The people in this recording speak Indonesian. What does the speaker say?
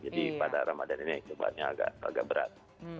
jadi pada ramadhan ini kebetulannya agak berat